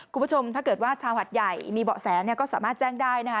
คุณผู้ชมถ้าเกิดว่าชาวหัดใหญ่มีเบาะแสเนี่ยก็สามารถแจ้งได้นะคะ